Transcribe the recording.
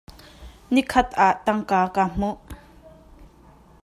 Nikhat ah tangka ka hmuh.